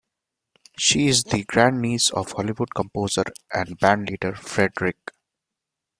She is the grandniece of Hollywood composer and bandleader Fred Rich.